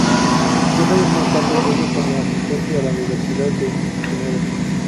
Dos años más tarde, vuelve como asistente a la Universidad de Ginebra.